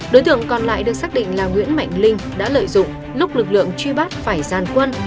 đối tượng còn lại được xác định là nguyễn mạnh linh đã lợi dụng lúc lực lượng truy bắt phải gian quân